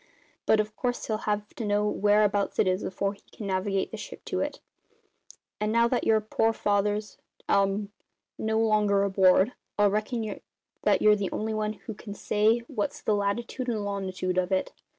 But, of course, he'll have to know whereabouts it is afore he can navigate the ship to it; and now that your pore father's um no longer aboard, I reckon that you're the only one who can say what's the latitood and longitood of it."